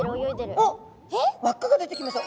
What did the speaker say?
おっ輪っかが出てきました。